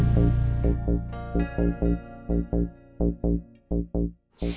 terus apa dong